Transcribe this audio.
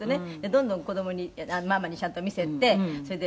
どんどん子どもにママにちゃんと見せてそれで」